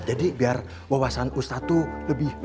jadi biar wawasan ustadz itu lebih luas